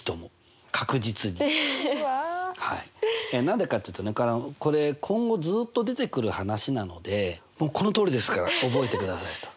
何でかっていうとねこれ今後ずっと出てくる話なのでもうこのとおりですから覚えてくださいと。